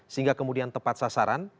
sehingga kemudian tepat sasaran